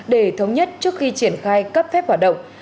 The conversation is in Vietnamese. để thống nhất trước khi triển khai cấp phép hoạt động